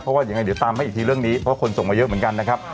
เพราะว่ายังไงเดี๋ยวตามให้อีกทีเรื่องนี้เพราะคนส่งมาเยอะเหมือนกันนะครับ